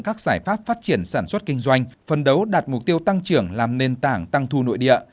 các giải pháp phát triển sản xuất kinh doanh phân đấu đạt mục tiêu tăng trưởng làm nền tảng tăng thu nội địa